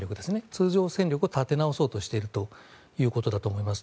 通常戦力を立て直そうとしているということだと思います。